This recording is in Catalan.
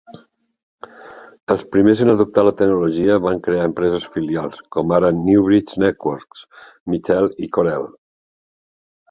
Els primers en adoptar la tecnologia van crear empreses filials com ara Newbridge Networks, Mitel i Corel.